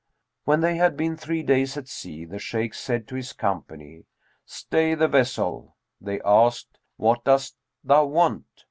When they had been three days at sea, the Shaykh said to his company, 'Stay the vessel!' They asked, 'What dost thou want?'